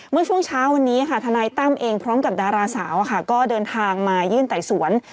เมื่อช่วงเช้าวันนี้ค่ะทนายตั้มเองพร้อมกับดาราสาวก็เดินทางมายื่นไต่สวน